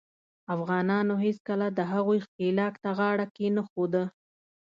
افغانانو هیڅکله د هغوي ښکیلاک ته غاړه کښېنښوده.